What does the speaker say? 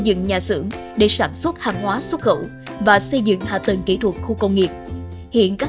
dựng nhà xưởng để sản xuất hàng hóa xuất khẩu và xây dựng hạ tầng kỹ thuật khu công nghiệp hiện các